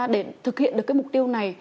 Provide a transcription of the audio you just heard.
để thực hiện được cái mục tiêu này